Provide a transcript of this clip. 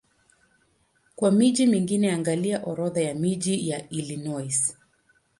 Kwa miji mingine angalia Orodha ya miji ya Illinois.